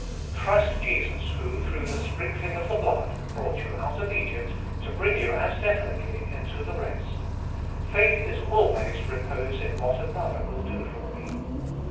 Trust Jesus who, through the sprinkling of the blood, brought you out of Egypt, to bring you as definitely into the rest. Faith is always repose in what another will do for me.